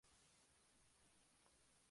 Esto es debido a la transpiración.